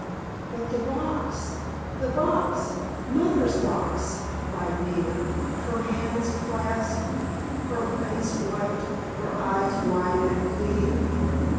"But the box—the box—Mother's box?" cried Nina, her hands clasped, her face white, her eyes wide and pleading.